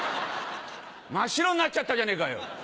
「真っ白になっちゃったじゃねえかよ」。